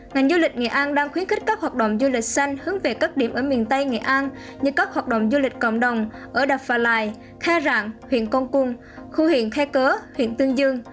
ngành du lịch nghệ an đang khuyến khích các hoạt động du lịch xanh hướng về các điểm ở miền tây nghệ an như các hoạt động du lịch cộng đồng ở đập phà lại kha rạng huyện con cung khu huyện khe cớ huyện tương dương